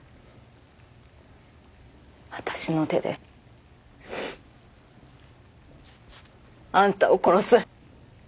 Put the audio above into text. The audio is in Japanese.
私の手であんたを殺す。